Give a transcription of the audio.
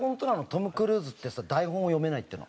トム・クルーズってさ台本を読めないっていうのは。